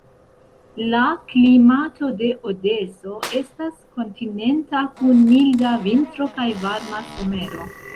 La klimato de Odeso estas kontinenta kun milda vintro kaj varma somero.